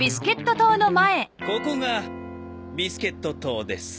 ここがビスケット棟です。